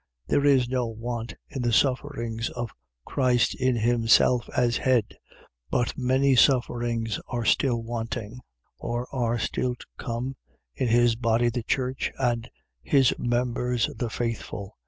. .There is no want in the sufferings of Christ in himself as head: but many sufferings are still wanting, or are still to come, in his body the church, and his members the faithful.